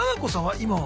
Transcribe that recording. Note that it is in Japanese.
今は。